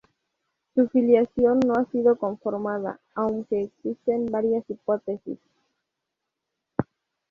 Su filiación no ha sido confirmada aunque existen varias hipótesis.